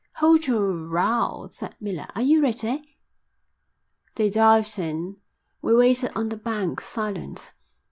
"Hold your row," said Miller. "Are you ready?" They dived in. We waited on the bank, silent.